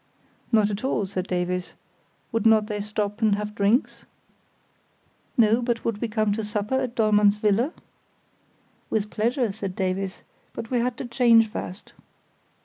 Not at all, said Davies; would not they stop and have drinks? No, but would we come to supper at Dollmann's villa? With pleasure, said Davies, but we had to change first.